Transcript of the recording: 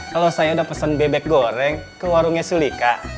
kalau saya udah pesen bebek goreng ke warungnya sulika